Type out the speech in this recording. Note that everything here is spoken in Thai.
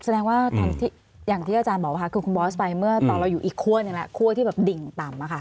แสดงว่าอย่างที่อาจารย์บอกว่าคือคุณบอสไปเมื่อตอนเราอยู่อีกคั่วหนึ่งแล้วคั่วที่แบบดิ่งต่ำ